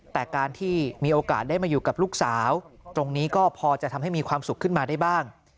แต่การที่มีโอกาสได้มาอยู่กับลูกสาวตรงนี้ก็พอจะทำให้มีความสุขขึ้นมาได้บ้าง